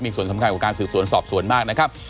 มีส่วนสำคัญของการสืบสวนสอบสวนมากนะครับ